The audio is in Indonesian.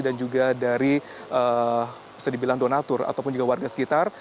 juga dari bisa dibilang donatur ataupun juga warga sekitar